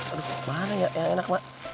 aduh mana ya yang enak mak